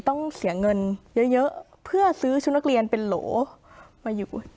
ต้องเสียเงินเยอะเพื่อซื้อชุดนักเรียนเป็นโหลมาอยู่